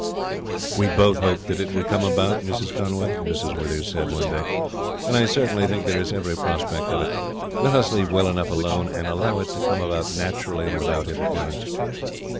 "We both hope that it will come about, Mrs. Conway," Mrs. Withers said one day; "and I certainly think there is every prospect of it. Let us leave well alone, and allow it to come about naturally and without interference."